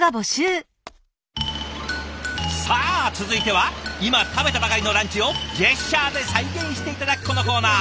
さあ続いては今食べたばかりのランチをジェスチャーで再現して頂くこのコーナー！